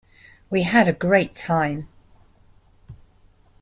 We had a great time.